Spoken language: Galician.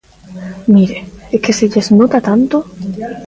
Mire, ¡é que se lles nota tanto!